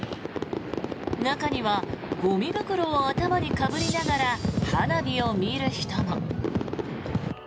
中にはゴミ袋を頭にかぶりながら花火を見る人も。